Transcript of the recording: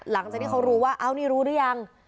หลังจากที่เขารู้ว่าเอ้านี่รู้หรือยัง